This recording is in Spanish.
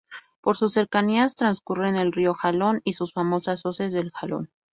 Por sus cercanías transcurren el río Jalón y sus famosas Hoces del Jalón.